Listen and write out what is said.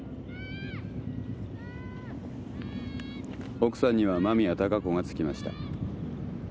奥さんには間宮貴子がつきました。